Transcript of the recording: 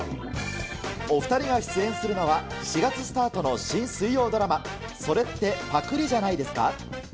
お２人が出演するのは、４月スタートの新水曜ドラマ、それってパクリじゃないですか？